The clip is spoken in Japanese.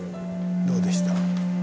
どうでした？